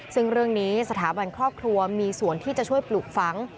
ซึ่งเรื่องนี้สถาบันครอบครัวมีส่วนที่จะช่วยปลูกฝัง